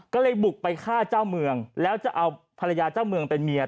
ก็เลยบุกไปฆ่าเจ้าเมืองแล้วจะเอาภรรยาเจ้าเมืองเป็นเมีย